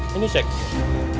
memangnya itu kertas apa